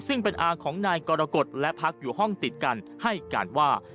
ซึ่งเป็นอาของนายกรกฎและพักอยู่ห้องติดกันให้การว่า